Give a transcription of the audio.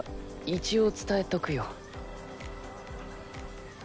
一応伝えとくよ。